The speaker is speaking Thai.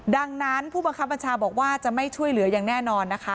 ดังนั้นผู้บังคับบัญชาบอกว่าจะไม่ช่วยเหลืออย่างแน่นอนนะคะ